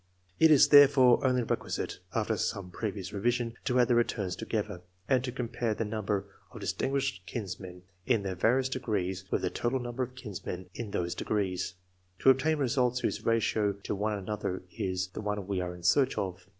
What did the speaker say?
It is therefore only requisite (after some previous revision) to add the returns together, and to compare the number of dis tinguished kinsmen in the various degrees with the total number of kinsmen in those degrees, to obtain results whose ratio to one another is the one we are in search of.